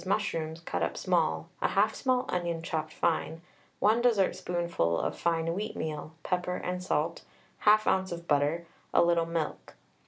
mushrooms cut up small, 1/2 small onion chopped fine, 1 dessertspoonful of fine wheatmeal, pepper and salt, 1/2 oz. of butter, a little milk.